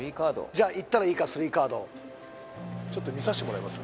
じゃあ行ったらいいかスリーカードちょっと見させてもらいます？